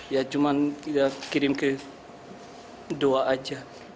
ya cuman kita kirim ke dua aja